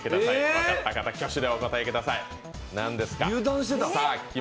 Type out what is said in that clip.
分かった方、挙手でお答えください